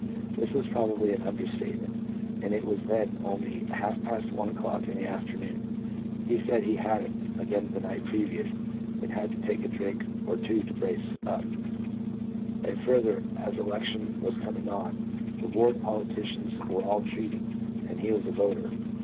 This was probably an under statement, and it was then only half past one o'clock in the afternoon. He said he had " had 'em " again the night previous, and had to take a drink or two to brace up ; and further, as election was coming on, the ward politicians were all treating, and he was a voter.